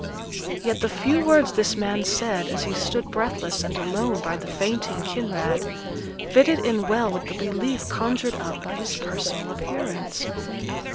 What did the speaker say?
Yet the few words this man said, as he stood breathless and alone by the fainting Kinraid, fitted in well with the belief conjured up by his personal appearance.